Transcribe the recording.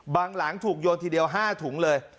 หลังถูกโยนทีเดียว๕ถุงเลย